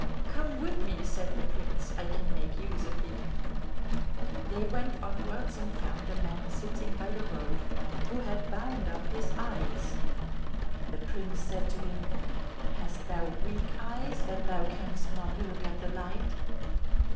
"Come with me," said the prince, "I can make use of thee." They went onwards and found a man sitting by the road who had bound up his eyes. The prince said to him, "Hast thou weak eyes, that thou canst not look at the light?"